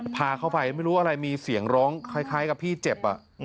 พาเข้าไปไม่รู้อะไรมีเสียงร้องคล้ายกับพี่เจ็บ